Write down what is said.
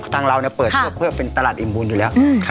ทางเราเนี่ยเปิดเพื่อเป็นตลาดอิ่มบุญอยู่แล้ว๕๐๐๒ค่ะ